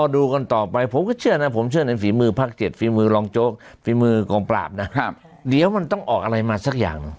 ดูกันต่อไปผมก็เชื่อนะผมเชื่อในฝีมือภาค๗ฝีมือรองโจ๊กฝีมือกองปราบนะเดี๋ยวมันต้องออกอะไรมาสักอย่าง